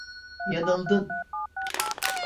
Yanıldın.